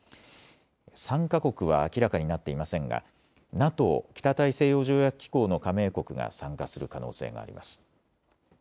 参加国は明らかになっていませんがＮＡＴＯ・北大西洋条約機構の加盟国が参加する可能性があります。